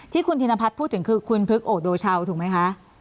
ที่คุณธินพัฒน์พูดถึงคือคุณพฤกษโอโดชาวถูกไหมคะ